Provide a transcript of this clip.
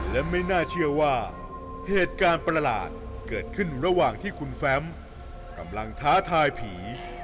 และไม่น่าเชื่อว่าเหตุการณ์ประหลาดเกิดขึ้นระหว่างที่คุณแฟมกำลังท้าทายผี